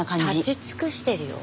立ち尽くしてるよ。